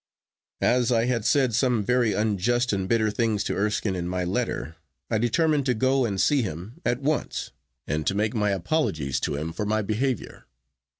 As I had said some very unjust and bitter things to Erskine in my letter, I determined to go and see him at once, and to make my apologies to him for my behaviour.